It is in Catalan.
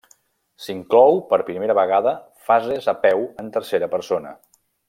S'inclou per primera vegada fases a peu en tercera persona.